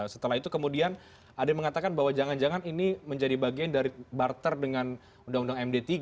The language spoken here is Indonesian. setelah itu kemudian ada yang mengatakan bahwa jangan jangan ini menjadi bagian dari barter dengan undang undang md tiga